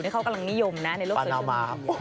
ที่เขากำลังนิยมนะในโลกศึกภาพมี